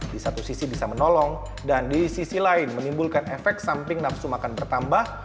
di satu sisi bisa menolong dan di sisi lain menimbulkan efek samping nafsu makan bertambah